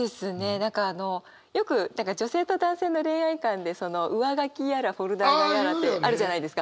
何かあのよく女性と男性の恋愛観で上書きやらフォルダーやらってあるじゃないですか。